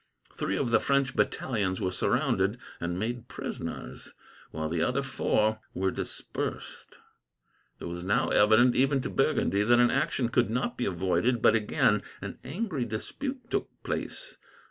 Three of the French battalions were surrounded and made prisoners, while the other four were dispersed. It was now evident, even to Burgundy, that an action could not be avoided, but again an angry dispute took place.